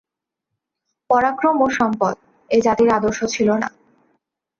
পরাক্রম ও সম্পদ এ-জাতির আদর্শ ছিল না।